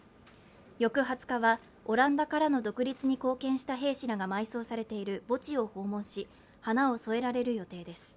翌２０日は、オランダからの独立に貢献した兵士らが埋葬されている墓地を訪問し、花を供えられる予定です。